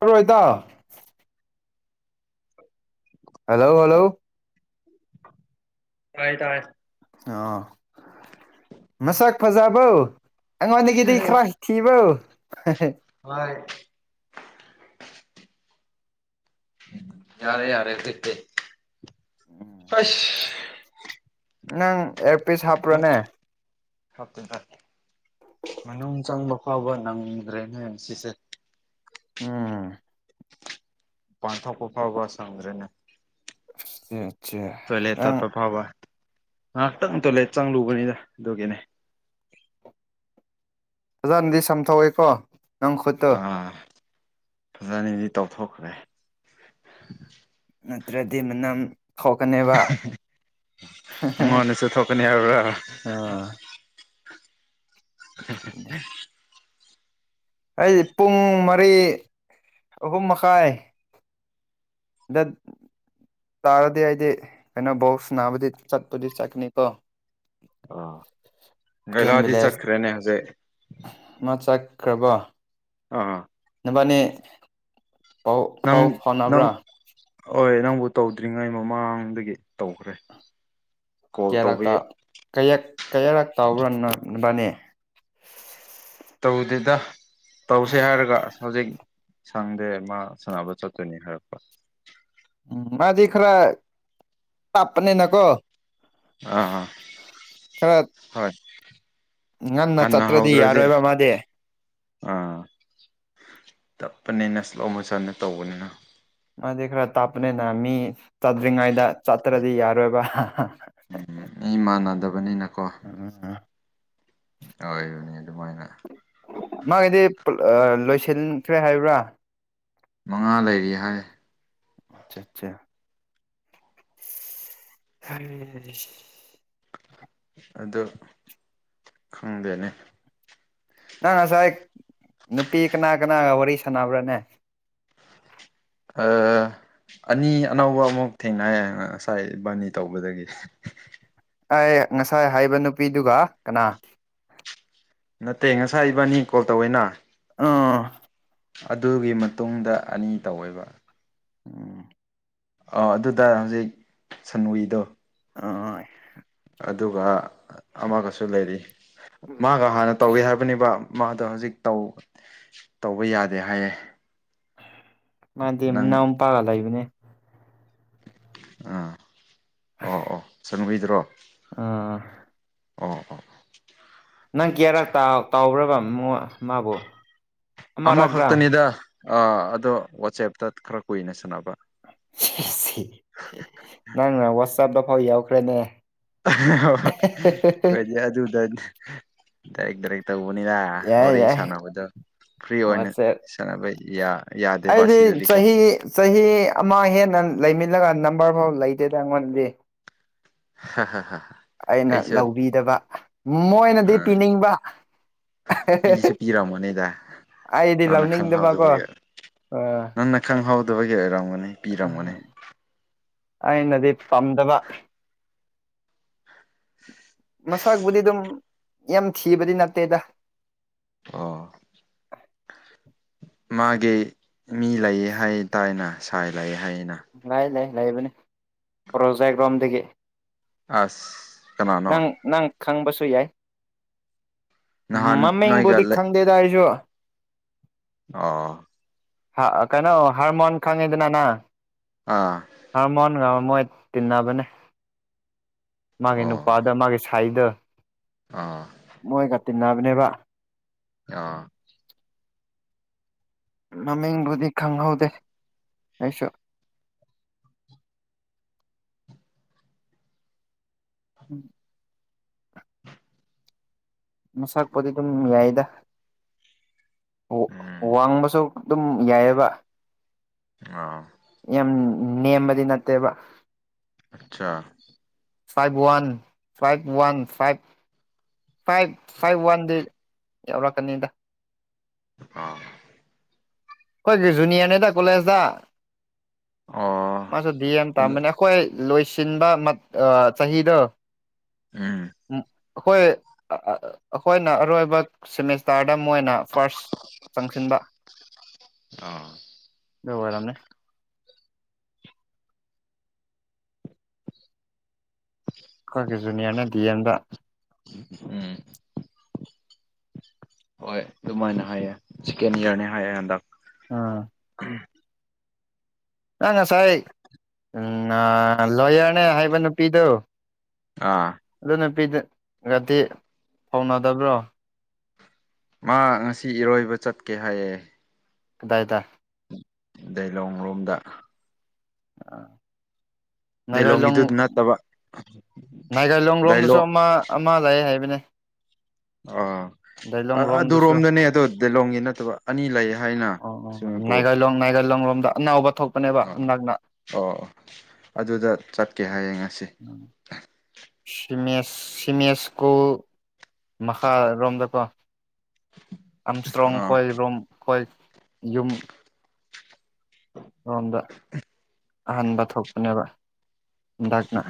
ꯍꯔꯣꯏꯇꯥ hello hello ꯇꯥꯏ ꯇꯥꯏ ꯑ ꯃꯁꯥꯛ ꯐꯖꯥꯧ ꯑꯪ ꯍꯅꯒꯤꯗꯤ ꯈꯔ ꯊꯤꯕ ꯍꯣꯏ ꯌꯥꯔꯦ ꯌꯥꯔꯦ ꯐꯦ ꯐꯁ ꯅꯪ ꯑꯦꯔ ꯄꯤꯁ ꯍꯥꯞꯄ꯭ꯔꯣꯅꯦ ꯍꯥꯞꯤꯟ ꯇꯦ ꯃꯅꯨꯡ ꯆꯪꯕ ꯐꯥꯎꯕ ꯅꯪꯗ꯭ꯔꯦꯅꯦ ꯁꯤꯁꯦ ꯎꯝ ꯄꯥꯡꯊꯣꯛꯄ ꯐꯥꯎꯕ ꯆꯪꯗ꯭ꯔꯦꯅꯦ ꯍ ꯆꯂꯦ ꯇꯄ ꯐꯕ ꯉꯥꯏꯍꯥꯛꯇꯪ ꯇꯣꯏꯂꯦꯠ ꯆꯪꯂꯨꯕꯅꯤꯗ ꯑꯗꯨꯒꯤꯅꯦ ꯑꯣꯖꯅꯗꯤ ꯁꯝꯊꯣꯛꯑꯦꯀꯣ ꯅꯪ ꯈꯨꯠꯇꯨ ꯐꯖꯅꯤꯗꯤ ꯇꯧꯊꯣꯛꯈ꯭ꯔꯦ ꯅꯠꯇ꯭ꯔꯗꯤ ꯃꯅꯝ ꯊꯣꯛꯀꯅꯦꯕ ꯑꯣꯅꯤꯁ ꯊꯀꯅꯤ ꯍꯥꯏ ꯍ ꯑꯥ ꯑꯩꯗꯤ ꯄꯨꯡ ꯃꯔꯤ ꯑꯍꯨꯝ ꯃꯈꯥꯏ ꯗ ꯇꯥꯔꯗꯤ ꯑꯩꯗꯤ ꯀꯩꯅꯣ ꯕꯣꯛꯁ ꯅꯥꯕꯗꯤ ꯆꯠꯄꯗꯤ ꯆꯠꯀꯅꯤꯀꯣ ꯑꯩꯂꯥꯗꯤ ꯆꯠꯈ꯭ꯔꯦꯅꯦ ꯍꯧꯖꯤꯛ ꯃꯥ ꯆꯥꯛꯈ꯭ꯔꯕ ꯑ ꯍꯕꯅꯦ ꯐꯥꯎ ꯅꯪ ꯐꯥꯎ ꯐꯥꯎ ꯅꯪ ꯅꯕ꯭ꯔ ꯍꯣꯏ ꯅꯪꯕꯨ ꯇꯧꯗ꯭ꯔꯤꯉꯩ ꯃꯃꯥꯡꯗꯒꯤ ꯇꯧꯈ꯭ꯔꯦ ꯀꯣꯜ ꯇꯧꯕ ꯀꯦꯌꯥꯔꯛꯇ ꯀ ꯀꯌꯥꯔꯛ ꯇꯧꯔꯕꯅꯤ ꯇꯧꯗꯦꯗ ꯇꯧꯁꯦ ꯍꯥꯏꯔꯒ ꯍꯧꯖꯤꯛ ꯁꯪꯗꯦ ꯃꯥ ꯁꯥꯟꯅꯕ ꯆꯠꯇꯅꯤ ꯍꯥꯏꯔꯛꯄ ꯎꯝ ꯃꯥꯗꯤ ꯈꯔ ꯄꯄꯅꯤ ꯅꯀꯣ ꯑꯥ ꯍꯣꯏ ꯉꯟꯅ ꯍꯟꯅ ꯆꯠꯇ꯭ꯔꯗꯤ ꯍꯧꯗ꯭ꯔꯗꯤ ꯌꯥꯔꯣꯏꯕ ꯃꯥꯗꯤ ꯑꯥ ꯇꯞꯄꯅꯤꯅ ꯁꯂꯣ ꯃꯣꯁꯟꯅ ꯇꯧꯕꯅꯤꯅ ꯃꯥꯗꯤ ꯈꯔ ꯇꯥꯛꯄꯅꯤꯅ ꯃꯤ ꯆꯥꯠꯇ꯭ꯔꯤꯉꯩꯗ ꯆꯠꯇ꯭ꯔꯗꯤ ꯌꯥꯔꯣꯏꯕ ꯏ ꯃꯥꯟꯅꯗꯕꯅꯤꯅꯀꯣ ꯎꯝ ꯑꯣꯏꯕꯅꯤ ꯑꯗꯨꯃꯥꯏꯅ ꯃꯥꯒꯤꯗꯤ ꯂꯣꯏ ꯊꯟꯈ꯭ꯔꯦ ꯍꯥꯏꯕ꯭ꯔꯥ ꯃꯉꯥ ꯂꯩꯔꯤ ꯍꯥꯏ ꯑꯆꯥ ꯑꯆꯥ ꯑꯗꯨ ꯈꯪꯗꯦꯅꯤ ꯅꯪ ꯉꯁꯥꯏ ꯅꯨꯄꯤ ꯀꯅꯥ ꯀꯅꯥꯒ ꯋꯥꯔꯤ ꯁꯥꯟꯅꯕ꯭ꯔꯥꯅꯦ ꯑ ꯑꯅꯤ ꯑꯅꯧꯕ ꯑꯃꯨꯛ ꯊꯦꯡꯅꯌꯦꯦ ꯉꯁꯥꯏ ꯏꯕꯥꯅꯤ ꯇꯧꯕꯗꯒꯤ ꯑꯩ ꯉꯁꯥꯏ ꯍꯥꯏꯕ ꯅꯨꯄꯤꯗꯨꯒ ꯀꯅꯥ ꯅꯠꯇꯦ ꯉꯁꯥꯏ ꯏꯕꯥꯅꯤ ꯀꯣꯜ ꯇꯧꯋꯦꯅ ꯑꯥ ꯑꯗꯨꯒꯤ ꯃꯇꯨꯡꯗ ꯑꯅꯤ ꯇꯧꯋꯦꯕ ꯎꯝ ꯑꯥ ꯑꯗꯨꯗ ꯍꯧꯖꯤꯛ ꯁꯟꯋꯤꯗꯣ ꯑ ꯑꯗꯨꯒ ꯑꯃꯒꯁꯨ ꯂꯩꯔꯤ ꯃꯥꯒ ꯍꯥꯟꯅ ꯇꯧꯏ ꯍꯥꯏꯕꯅꯤꯕ ꯃꯥꯗꯣ ꯍꯧꯖꯤꯛ ꯇꯧꯕ ꯌꯥꯗꯦ ꯍꯥꯏꯌꯦꯦ ꯃꯥꯗꯤ ꯅꯎ ꯄꯥꯔ ꯂ ꯂꯩꯕꯅꯦ ꯑꯥ ꯑꯣ ꯑꯣ ꯆꯪꯕꯤꯗ꯭ꯔꯣ ꯑꯥ ꯎꯝ ꯎꯥ ꯅꯪ ꯀꯤꯌꯥꯔꯛ ꯇꯥꯎ꯭ꯔꯕ ꯃꯥꯕꯨ ꯑꯃꯔꯛ꯭ꯔꯥ ꯑꯃꯈꯛꯇꯅꯤꯗ ꯑꯗꯣ ꯋꯥꯆꯦꯞꯇ ꯈꯔ ꯀꯨꯏꯅ ꯁꯥꯟꯅꯕ ꯅꯪꯅ ꯋꯥꯆꯞꯇ ꯐꯥꯎ ꯌꯥꯎꯈ꯭ꯔꯦꯅꯦ ꯀꯖꯤ ꯌꯥ ꯑꯗꯨ ꯎꯗ ꯗꯔ ꯗꯔ ꯇꯧꯕꯅꯤꯅ ꯌꯥꯏ ꯋꯥꯔꯤ ꯌꯥꯏ ꯁꯥꯟꯅꯕꯗ ꯐ꯭ꯔꯤ ꯑꯣꯏꯅ ꯋꯥꯆꯦꯞ ꯁꯥꯟꯅꯕ ꯌꯥ ꯑꯩꯗꯤ ꯆꯍꯤꯍꯤ ꯆꯍꯤ ꯑꯃ ꯍꯦꯟꯅ ꯂꯩꯃꯤꯜꯂꯒ ꯅꯝꯕꯔ ꯐꯥꯎ ꯂꯩꯇꯦꯗ ꯑꯩꯉꯣꯟꯗꯤ ꯍ ꯍ ꯑꯩꯅ ꯂꯧꯕꯤꯗꯕ ꯃꯣꯏꯅꯗꯤ ꯄꯤꯅꯤꯡꯕ ꯄꯤꯁꯨ ꯄꯤꯔꯝꯃꯅꯤꯗ ꯑꯩꯗꯤ ꯅꯪꯅ ꯂꯧꯅꯤꯡꯗꯕꯀꯣ ꯈꯪꯍꯧꯗꯕꯒꯤ ꯅꯪꯅ ꯈꯪꯍꯧꯗꯕꯒꯤ ꯑꯣꯏꯔꯝꯒꯅꯤ ꯄꯤꯔꯝꯒꯅꯤ ꯑꯩꯅꯗꯤ ꯄꯥꯝꯗꯕ ꯃꯁꯥꯕꯨꯗꯤ ꯑꯗꯨꯝ ꯌꯥꯝ ꯊꯤꯕꯗꯤ ꯅꯠꯇꯦꯗ ꯑꯣ [unintelligible] ꯃꯥꯒꯤ ꯃꯤ ꯂꯩꯑ ꯍꯥꯏꯇꯥꯔꯦꯅ ꯁꯥꯏ ꯂꯑꯦ ꯍꯥꯏꯅ ꯂꯩ ꯂꯩ ꯂꯩꯕꯅꯤ ꯄ꯭ꯔꯣꯖꯦꯛ ꯔꯣꯝꯗꯒꯤ ꯑꯁ ꯀꯅꯥꯅꯣ ꯅꯪ ꯅꯪ ꯈꯪꯕꯁꯨ ꯌꯥꯏ ꯅꯍꯥꯟ ꯅꯣꯏꯒ ꯃꯃꯤꯡꯕꯨꯗꯤ ꯈꯪꯗꯦ ꯇ ꯍꯥꯏꯁꯨ ꯑꯥ ꯍꯥ ꯀꯩꯅꯣ ꯍꯔꯃꯣꯟ ꯈꯪꯉꯗꯅꯅꯥ ꯑꯥ ꯍꯔꯃꯣꯟ ꯃ ꯇꯤꯟꯅꯕꯅꯦ ꯃꯥꯒꯤ ꯅꯨꯄꯥꯗ ꯃꯥꯒꯤ ꯁꯥꯏꯗ ꯑ ꯇꯤꯟꯅꯕꯅꯦꯕ ꯑꯥ ꯃꯃꯤꯡꯕꯨꯗꯤ ꯈꯪꯍꯧꯗꯦ ꯑꯩꯁꯨ p......... ꯎꯝ ꯃꯁꯛꯄꯣꯗꯤ ꯑꯗꯨꯝ ꯌꯥꯏꯌꯦꯗ ꯑꯣ ꯎꯝ ꯋꯥꯡꯕꯁꯨ ꯑꯗꯨꯝ ꯌꯥꯏꯑꯕꯥ ꯑꯥ ꯌꯥꯝ ꯅꯦꯝꯕꯗꯤ ꯅꯠꯇꯦꯕ ꯑꯆꯥ five one five one five five five ꯋꯥꯟꯗꯤ ꯌꯧꯔꯛꯀꯅꯤꯗ ꯑꯥ ꯑꯩꯈꯣꯏꯒꯤ ꯖꯨꯅꯤꯌꯔꯅꯤꯗꯥ ꯀꯣꯂꯦꯖꯇ ꯑꯣ ꯃꯥꯁꯨ ꯗꯤ ꯑꯦꯝ ꯑꯗꯨ ꯇꯥꯝꯕꯅꯦ ꯑꯩꯈꯣꯏ ꯂꯣꯏꯁꯤꯟꯕ ꯃꯠ ꯑ ꯆꯍꯤꯗꯣ ꯎꯝ ꯑꯩꯈꯣꯏ ꯑ ꯑ ꯑꯩꯈꯣꯏꯅ ꯑꯔꯣꯏꯕ ꯁꯦꯃꯤꯁꯇꯥꯔ ꯈꯨꯗꯝ ꯑꯣꯏꯅ ꯐꯥꯔꯁ ꯆꯪꯁꯤꯟꯕ ꯑꯥ ꯑꯗꯨ ꯑꯣꯏꯔꯝꯅꯤ ꯑꯩꯈꯣꯏꯒꯤ ꯖꯨꯅꯤꯌꯔꯅ ꯗꯤ ꯑꯦꯝꯗꯥ ꯎꯝ ꯍꯣꯏ ꯑꯗꯨꯃꯥꯏꯅ ꯍꯥꯏꯌꯦ ꯁꯦꯀꯦꯟ ꯏꯌꯔꯅꯦ ꯍꯥꯏꯌꯦ ꯍꯟꯗꯛ ꯑꯥ ꯎ [inaudible] ꯅꯪ ꯉꯁꯥꯏ ꯎꯝ ꯅ ꯂꯣꯏꯌꯔꯅꯦ ꯍꯥꯏꯕ ꯅꯨꯄꯤꯗꯣ ꯑꯥ ꯍꯤꯗꯦꯠ ꯒꯗꯤ ꯐꯥꯎꯅꯗꯕ꯭ꯔꯣ ꯃꯥ ꯉꯁꯤ ꯏꯔꯣꯏꯕ ꯆꯠꯀꯦ ꯍꯥꯏꯌꯦ ꯀꯗꯥꯏꯗꯥ ꯗꯩꯂꯣꯡ ꯔꯣꯝꯗꯥ ꯑꯥ [inaudible] ꯗꯤꯂꯣꯡꯒꯤꯗꯨꯠ ꯅꯠꯇꯕ ꯅꯥꯒꯥꯥꯏꯂꯣꯡ ꯔꯣꯝꯗꯁꯨ ꯗꯥꯏꯂꯣꯡ ꯑꯃ ꯑꯃ ꯂꯩ ꯍꯥꯏꯕꯅꯦ ꯑꯥ ꯑ ꯗꯥꯏꯂꯣꯡ ꯔꯣꯝꯗꯁꯨ ꯑꯗꯨꯔꯣꯝꯗꯅꯦ ꯑꯗꯣ ꯗꯤꯂꯣꯡꯒꯤ ꯅꯠꯇꯕ ꯑꯅꯤ ꯂꯩ ꯍꯥꯏꯅ ꯁ꯭ꯋꯤꯝꯃꯤꯡ ꯄꯨꯜ ꯗ ꯑꯅꯥꯎꯕ ꯊꯣꯛ ꯑꯥ ꯑꯣ ꯑꯗꯨꯗ ꯆꯠꯀꯦ ꯍꯥꯏꯌꯦ ꯉꯁꯤ ꯁꯤꯃꯦꯁ ꯁꯤꯃꯦꯁ ꯁ꯭ꯀꯨꯜ ꯃꯈꯥꯔꯣꯝꯗꯀꯣ ꯑꯝꯁꯇ꯭ꯔꯣꯡ ꯑꯥ ꯈꯣꯏ ꯔꯣꯝ ꯈꯣꯏ ꯌꯨꯝ ꯔꯣꯝꯗ ꯑꯍꯟꯕ ꯊꯣꯛꯄꯅꯦꯕꯥ ꯍꯟꯗꯛꯅ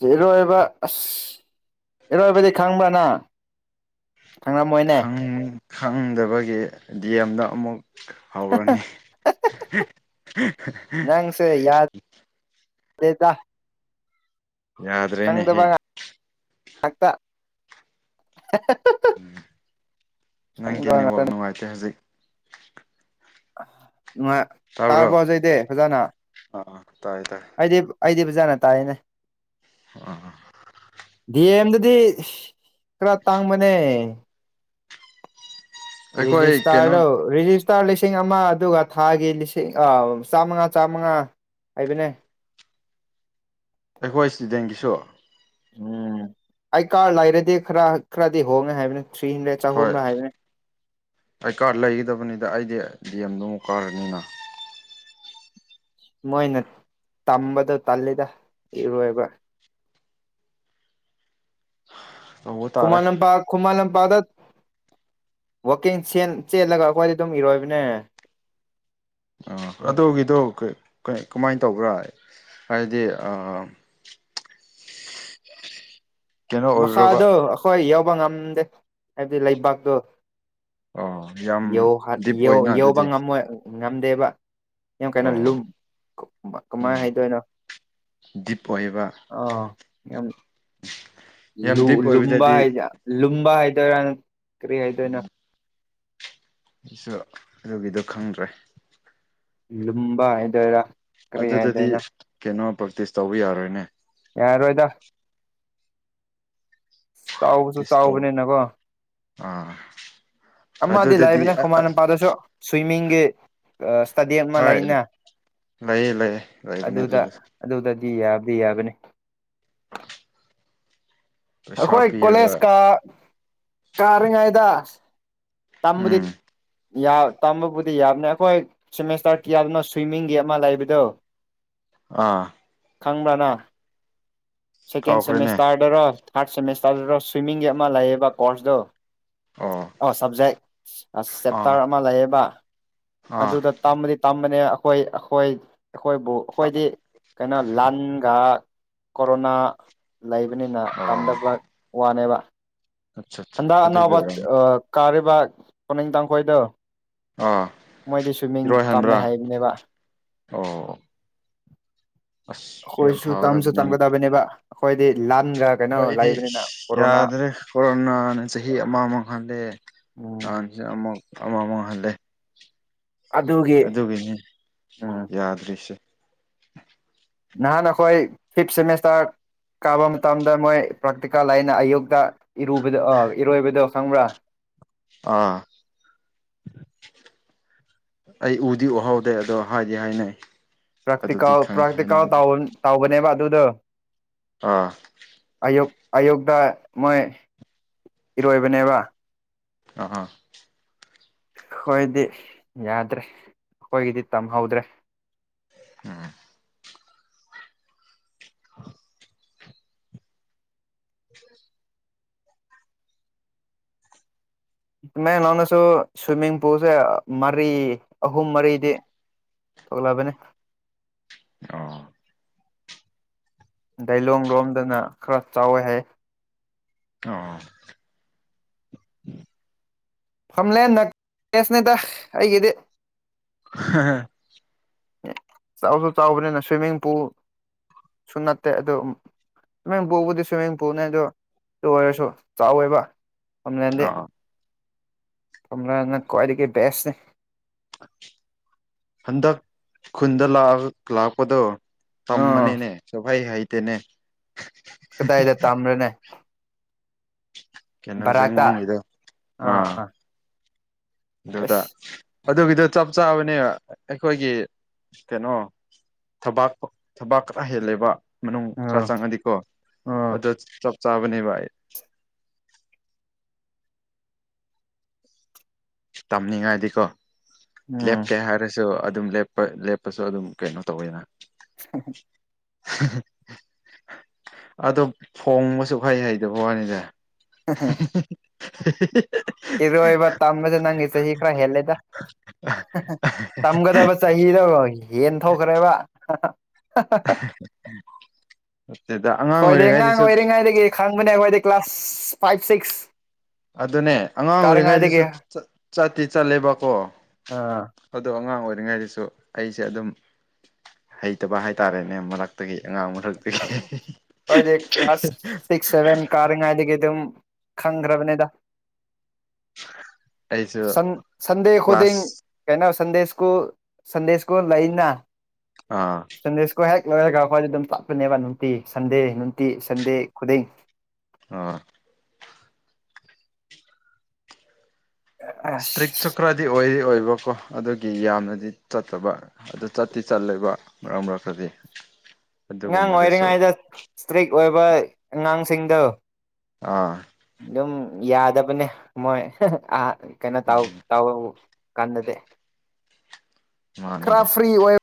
ꯂꯩꯔꯣꯏ ꯍꯥꯏꯕꯥ ꯑꯁ ꯏꯔꯣꯏꯕꯗꯤ ꯈꯪꯕ꯭ꯔꯥ ꯅꯪ ꯈꯪꯉꯝꯃꯣꯏꯅꯦ ꯈꯪ ꯈꯪꯗꯕꯒꯤ ꯗꯤꯑꯦꯝꯗ ꯑꯃꯨꯛ ꯍꯧꯔꯅꯤ ꯑꯦꯗꯥ ꯌꯥꯗ꯭ꯔꯦꯅꯦꯍꯦ [unintelligible] ꯅꯪꯒꯤ ꯈꯪꯗꯕ ꯅꯦꯠꯋꯥꯛ ꯉꯥꯛꯇꯅꯤ ꯅꯨꯡꯉꯥꯏꯇ꯭ꯔꯦ ꯍꯧꯖꯤꯛ ꯅꯨꯡꯉꯥꯏ ꯇꯥꯕ꯭ꯔꯣ ꯇꯥꯔꯕꯣ ꯍꯧꯖꯤꯛꯇꯤ ꯐꯖꯅꯥ ꯑꯥ ꯇꯥꯏ ꯇꯥꯏ ꯑꯩꯗꯤ ꯑꯩꯗꯤ ꯐꯖꯅ ꯇꯥꯏꯅꯦ ꯑ [inaudible] ꯑꯗꯨꯗꯤ ꯈꯔ ꯇꯥꯡꯕꯅꯦ ꯑꯩꯈꯣꯏ ꯀꯩꯅꯣ ꯔꯦꯖꯤꯁꯇꯥꯔꯔꯣ ꯔꯦꯖꯤꯁ ꯍꯞꯇꯥ ꯂꯤꯁꯤꯡ ꯑꯃ ꯑꯗꯨꯒ ꯊꯥꯒꯤ ꯂꯤꯁꯤꯡ ꯑ ꯆꯥꯝꯃꯉꯥ ꯆꯥꯝꯃꯉꯥ ꯑꯩꯕꯅꯦ ꯑꯩꯈꯣꯏ ꯏꯁꯇꯨꯗꯦꯟꯒꯤꯁꯨ ꯎꯝ ꯑꯩꯀꯥꯔ ꯂꯩꯔꯗꯤ ꯈꯔ ꯈꯔꯗꯤ ꯍꯣꯡꯉꯦ ꯍꯥꯏꯕꯅꯤ ꯊ꯭ꯔꯤ ꯍꯟꯗ꯭ꯔꯦꯠ ꯍꯣꯏ ꯆꯍꯨꯝꯅ ꯍꯥꯏꯕꯅꯤ ꯑꯩ ꯀꯥꯔꯗ ꯂꯩꯒꯗꯕꯅꯤꯗ ꯑꯩꯗꯤ ꯗꯤ ꯑꯦꯝ ꯅꯨꯡ ꯀꯔꯅꯤꯅ ꯃꯣꯏꯅ ꯇꯝꯕꯗ ꯇꯜꯂꯤꯗ ꯏꯔꯣꯏꯕ꯭ꯔ [inaudible] ꯀꯨꯃ ꯂꯝꯄꯥꯛ ꯈꯨꯃ ꯂꯝ [unintelligible] ꯋꯀꯤꯡ ꯆꯦꯟ-ꯆꯦꯜꯂꯒ ꯑꯩꯈꯣꯏꯗꯤ ꯑꯗꯨꯝ ꯏꯔꯣꯏꯕꯅꯦ ꯑ ꯑꯗꯨꯒꯤꯗꯣ ꯀꯩ-ꯀꯩ-ꯀ ꯀꯃꯥꯏꯅ ꯇꯧꯕ꯭ꯔꯥ ꯍꯥꯏꯗꯤ ꯑ ꯃꯈꯥꯗꯣ ꯑꯩꯈꯣꯏ ꯌꯥꯎꯕ ꯉꯝꯗꯦ ꯍꯥꯏꯕꯗꯤ ꯂꯩꯕꯥꯛꯇꯣ ꯑꯣ ꯌꯥꯝ ꯌꯧꯍꯠ- ꯗꯤꯞ ꯌꯧ- ꯑꯣꯏꯅ ꯌꯧꯕ ꯑꯗꯨꯗꯤ ꯉꯝꯃꯣꯏ ꯉ-ꯉꯝꯗꯦꯕ ꯌꯥꯝ ꯀꯩꯅꯣ ꯑꯣ ꯂꯨꯝ ꯎꯝ ꯀ-ꯀꯃꯥꯏꯅ ꯍꯥꯏꯗꯣꯏꯅꯣ ꯗꯤꯞ ꯑꯣꯏꯕ ꯑꯥ ꯌꯥꯝ ꯌꯥꯝ ꯗꯤꯞ ꯂꯨ-ꯂꯨꯝꯕ ꯑꯣꯏꯕꯗꯗꯤ ꯍꯥꯏ ꯂꯨꯝꯕ ꯍꯥꯏꯗꯔꯥ ꯀꯔꯤ ꯍꯥꯏꯗꯣꯏꯅꯣ ꯑꯩꯁꯨ ꯑꯗꯨꯒꯤꯗꯨꯣ ꯈꯪꯗ꯭ꯔꯦ ꯂꯨꯝꯕꯥ ꯍꯥꯏꯗꯣꯏꯔ ꯑꯗꯨꯗꯗꯤ ꯀꯩꯅꯣ ꯄ꯭ꯔꯦꯛꯇꯤꯁ ꯇꯧꯕ ꯌꯥꯔꯣꯏꯅꯦ ꯌꯥꯔꯔꯣꯏꯗ ꯆꯥꯎꯕꯁꯨ ꯇꯤꯁ ꯇꯧ ꯆꯥꯎꯕꯅꯦꯅꯀꯣ ꯑꯥ ꯑꯃꯗꯤ ꯑꯗꯨꯗꯗꯤ ꯂꯥꯛꯏꯕꯅ ꯈꯨꯃꯟ ꯅꯨꯄꯥꯗꯁꯨ ꯁ꯭ꯋꯤꯝꯃꯤꯡꯒꯤ ꯑ-ꯏꯁꯇꯗꯤ ꯑꯃ ꯍꯣꯏ ꯂꯩꯅ ꯂꯩꯌꯦ ꯂꯩꯌꯦ ꯂꯩꯥꯏꯕꯅꯦ ꯑꯗꯨꯗ ꯌꯥꯕꯗꯤ ꯌꯥꯕꯅꯤ [inaudible] ꯄꯩꯁꯥ ꯑꯈꯣꯏ ꯀꯣꯂꯦꯖ ꯄꯤꯔꯒ ꯀ-ꯀꯥꯔꯤꯉꯩꯗꯥ ꯇꯝꯕꯗꯤ ꯎꯝ ꯌꯥ ꯇꯝꯕꯕꯨꯗꯤ ꯌꯥꯕꯅꯦ ꯑꯩꯈꯣꯏ ꯁꯤꯃꯦꯁꯇꯔ ꯀꯌꯥꯗꯅꯣ ꯁ꯭ꯋꯤꯃꯤꯡꯒꯤ ꯑꯃ ꯂꯩꯕꯗꯣ ꯑꯥ ꯈꯪꯕ꯭ꯔ ꯅꯪ ꯁꯦꯀꯦꯟ ꯀꯥꯎꯈ꯭ꯔꯦꯅꯦ ꯁꯦꯃꯤꯁꯇꯥꯔꯗꯔꯣ ꯊꯥꯔꯠ ꯁꯦꯃꯤꯁꯇꯔꯗ ꯁ꯭ꯋꯤꯝꯃꯤꯡꯒꯤ ꯑꯃ ꯂꯩꯌꯦꯕ ꯀꯣꯔꯁꯗꯨ ꯑꯣ ꯁꯕꯖꯦꯛ ꯑ- ꯑꯥ ꯆꯦꯞꯇꯔ ꯑꯃ ꯂꯩꯌꯦꯕ ꯑꯥ ꯑꯗꯨꯗ ꯇꯃꯗꯤ ꯇꯝꯕꯅꯤ ꯑꯩꯈꯣꯏ ꯑꯩꯈꯣꯏ ꯑꯩꯈꯣꯏꯕꯨ ꯑꯩꯈꯣꯏꯗꯤ ꯀꯩꯅꯣ ꯂꯥꯟꯒ ꯀꯣꯔꯣꯅꯥ ꯂꯩꯕꯅꯤꯅ ꯑꯣ ꯋꯥ-ꯋꯥꯅꯦꯕ ꯑꯠꯆꯥ ꯑꯠꯆꯥ ꯑꯟꯗ ꯑꯗꯨꯒꯤ ꯑꯅꯥꯕ ꯑꯣꯏꯔꯝꯅꯤ ꯑ ꯀꯥꯔꯤꯕ [unintelligible] ꯑꯥ ꯃꯣꯏꯗꯤ ꯁ꯭ꯋꯤꯝꯃꯤꯡ ꯏꯔꯣꯏ ꯍꯟꯕ꯭ꯔꯥ ꯇꯝꯃꯦ ꯍꯥꯏꯕꯅꯦꯕ ꯑꯣ ꯑꯁ ꯌꯥꯝ ꯑꯈꯣꯏꯁꯨ ꯇꯝꯁꯨ ꯐꯒꯗꯕꯅꯤꯅꯦ ꯇꯝꯒꯗꯕꯅꯦꯕ ꯑꯩꯈꯣꯏꯗꯤ ꯂ ꯍꯣꯏꯗꯤ ꯁꯤ-ꯌꯥꯗ꯭ꯔꯦ ꯀꯣꯔꯣꯅꯥꯅ ꯆꯍꯤ ꯑꯃꯃ ꯃꯥꯡꯍꯜꯂꯦ ꯎꯝ [unintelligible] ꯑꯃ ꯑꯃꯃ [unintelligible] ꯑꯗꯨꯒꯤ ꯑꯗꯨꯒꯤꯅꯦ ꯎꯝ ꯌꯥꯗ꯭ꯔꯤꯁꯦ ꯅꯍꯥꯟ ꯑꯩꯈꯣꯏ ꯐꯤꯞ ꯁꯦꯃꯤꯁꯇꯔ ꯀꯥꯕ ꯃꯇꯝꯗ ꯃꯣꯏ ꯄ꯭ꯔꯥꯛꯇꯤꯀꯦꯜ ꯂꯩꯩꯅ ꯑꯌꯨꯛꯇ ꯏꯔꯨꯕꯗ ꯑ-ꯏꯔꯣꯏꯕꯗꯣ ꯈꯪꯕ꯭ꯔꯥ ꯑꯥ ꯑꯩ ꯎꯗꯤ ꯎꯍꯧꯗꯦ ꯑꯗꯣ ꯍꯥꯏꯗꯤ ꯍꯥꯏꯅꯩ ꯑꯗꯨꯗꯤ ꯄ꯭ꯔꯥꯛꯇꯤꯀꯜ ꯈꯪꯉꯤ ꯄ꯭ꯔꯥꯛꯇꯤꯀꯜ ꯍꯥꯏꯅꯕꯗꯤ ꯇꯧꯕꯅꯦꯕ ꯑꯗꯨꯗ ꯑꯥ ꯑꯌ-ꯑꯌꯨꯛꯇ ꯃꯣꯏ ꯏꯔꯣꯏꯕꯅꯦꯕ ꯑ ꯑ ꯑꯩꯈꯣꯏꯗꯤ ꯌꯥꯗ꯭ꯔꯦ ꯑꯩꯈꯣꯏꯒꯤꯗꯤ ꯇꯝꯍꯧꯗ꯭ꯔꯦ ꯎꯝ [unintelligible] ꯁꯨꯃꯥꯏ ꯅꯎꯅꯁꯨ ꯁ꯭ꯋꯤꯃꯤꯡ ꯄꯨꯜꯁꯦ ꯃꯔꯤ ꯑꯍꯨꯝ ꯃꯔꯤꯗꯤ ꯊꯣꯛꯣꯛꯂꯕꯅꯦ ꯑ ꯂꯣꯡ ꯂꯣꯝꯗꯅ ꯈꯔ ꯆꯥꯎꯋꯦ ꯍꯥꯏ ꯑ ꯐꯝꯂꯦ ꯅꯦꯁꯅꯦꯗ ꯑꯩꯒꯤꯗꯤ ꯍ ꯆꯥꯎꯁꯨ ꯆꯥꯎꯕꯅꯤꯅ ꯁ꯭ꯋꯤꯃꯤꯡ ꯄꯨꯁꯨ ꯅꯠꯇꯦ ꯑꯗꯨꯣ ꯁ꯭ꯋꯃꯤꯡꯄꯕꯨꯗꯤ ꯁ꯭ꯋꯤꯃꯤꯡ ꯄꯨꯅꯦ ꯑꯗꯨꯗꯣ ꯑꯣꯏꯔꯁꯨ ꯆꯥꯎꯋꯦꯕ ꯑꯣꯝ ꯂꯗꯦ ꯑꯣ ꯔ ꯀ꯭ꯋꯥꯂꯤꯇ ꯦꯁꯅꯦ ꯍꯟꯗꯛ ꯈꯨꯟꯗ ꯂꯥꯛꯄꯗꯣ ꯎꯝ ꯇꯃꯅꯦꯅꯦ ꯁꯐꯥꯏ ꯍꯥꯏꯩꯇꯅꯦ ꯀꯗꯥꯏꯗ ꯇꯝ꯭ꯔꯅꯦ ꯀꯩꯅꯣ ꯕꯔꯥꯛꯇ ꯖꯦꯡꯋꯥꯡꯒꯤꯗꯣ ꯑꯥ ꯑꯥ ꯑꯗꯨꯗꯥ ꯑꯗꯨꯒꯤꯗ ꯆꯞ ꯆꯥꯕꯅꯦ ꯑꯩꯈꯣꯏꯒꯤ ꯀꯩꯅꯣ ꯊꯕꯥꯛ ꯊꯕꯥꯛ ꯈꯔ ꯍꯦꯜꯂꯦꯕ ꯃꯅꯨꯡ ꯑ ꯈꯔ ꯆꯪꯉꯗꯤꯀꯣ ꯑꯗꯨ ꯆꯞ ꯆꯥꯕꯅꯦꯕ ꯑꯩ ꯇꯝꯅꯤꯡꯉꯥꯏꯗꯤꯀꯣ ꯎꯝ ꯂꯦꯞꯀꯦ ꯍꯥꯏꯔꯁꯨ ꯑꯗꯨꯝ ꯂꯦꯞꯄ ꯂꯦꯞꯄꯁꯨ ꯑꯗꯨꯝ ꯀꯩꯅꯣ ꯇꯧꯋꯦꯅ ꯍ ꯑꯗꯣ ꯊꯣꯡꯕꯁꯨ ꯍꯩ ꯍꯩꯗꯕ ꯋꯥꯅꯤꯁ [unintelligible] ꯏꯔꯣꯏꯕ ꯇꯝꯕꯁꯦ ꯅꯪꯒꯤ ꯆꯍꯤ ꯈꯔ ꯍꯦꯜꯂꯦꯗ ꯇꯝꯒꯗꯕ ꯆꯍꯤꯗ ꯍꯦꯟ ꯊꯣꯛꯈ꯭ꯔꯦꯕ [unintelligible] ꯅꯠꯇꯦꯗ ꯑꯉꯥꯡ ꯑꯩꯈꯣꯏꯗꯤ ꯑꯉꯥꯡ ꯑꯣꯏꯔꯤꯉꯩꯗꯁꯨ ꯑꯣꯏꯔꯤꯉꯩꯗꯒꯤ ꯈꯪꯕꯅꯦ ꯑꯩꯈꯣꯏꯗꯤ ꯀ꯭ꯂꯥꯁ ꯐꯥꯏꯚ ꯁꯤꯛꯁ ꯑꯗꯨꯅꯦ ꯑꯉꯥꯡ ꯀꯥꯔꯤꯉꯩꯗꯒꯤ ꯑꯣꯏꯔꯤꯉꯩꯗꯁꯨ ꯆꯠꯇꯤ ꯆꯠꯂꯦꯕꯀꯣ ꯑꯥ ꯑꯗꯨꯗꯣ ꯑꯉꯥꯡ ꯑꯣꯏ ꯑꯣꯏꯔꯤꯉꯩꯗꯁꯨ ꯑꯩꯁꯦ ꯑꯗꯨꯝ ꯍꯩꯇꯕ ꯍꯥꯏꯇꯥꯔꯦꯅꯦ ꯃꯔꯛꯇꯒꯤ ꯑꯉꯥꯡ ꯃꯔꯛꯇꯒꯤ ꯀ꯭ꯂ ꯁꯤ ꯁꯦꯕꯟ ꯀꯥꯔ ꯉꯥꯏꯒ ꯑꯗꯨꯝ ꯈꯪꯈ꯭ꯔꯕꯅꯦꯗ ꯑꯩꯁꯨ ꯁꯟ ꯁꯟꯗꯦꯈꯣꯗ ꯀ꯭ꯂꯥꯁ ꯀꯅ ꯁꯟꯗꯦꯁꯀꯣ ꯁꯟꯗꯦꯁ ꯀꯣ ꯂꯩꯅ ꯑꯥ ꯁꯗꯦꯁ ꯀꯣ ꯍꯦꯛ ꯑꯩꯈꯣꯏꯗ ꯑꯗꯨꯝ ꯇꯥꯛꯄꯅꯦꯕ ꯅꯨꯡꯇꯤ ꯁꯟꯗꯦ ꯅꯨꯡꯇꯤ ꯁꯟꯗꯦ ꯈꯨꯗꯡ ꯑꯥ ꯏꯁꯇ꯭ꯔꯤꯛ ꯑꯁ ꯆꯀ꯭ꯔ ꯑꯗꯤ ꯑꯣꯏ ꯑꯣꯏ ꯑꯗꯨꯒꯕꯀꯣ ꯑꯗꯨꯒꯤ ꯌꯥꯝꯅꯗꯤ ꯆꯠꯇꯕ ꯑꯗꯨ ꯆꯠꯇꯤ ꯆꯠꯂꯦꯕ ꯃꯔꯛ ꯃꯔꯛꯇꯗꯤ ꯑꯉꯥꯡ ꯑꯗꯨꯒꯨꯝꯕꯗꯁꯨ ꯑꯣꯏꯔꯤꯉꯩꯗ ꯏꯁꯇ꯭ꯔꯤꯛ ꯑꯣꯏꯕ ꯑꯉꯥꯡꯁꯤꯡꯗꯣ ꯑꯥ ꯑꯗꯨꯝ ꯌꯥꯗꯕꯅꯦ ꯃꯣꯏ ꯀꯩꯅꯣ ꯇ ꯇ ꯀꯗꯗꯦ ꯃꯥꯅꯤꯗ ꯈꯔ ꯐ꯭ꯔꯤ ꯑꯣꯏ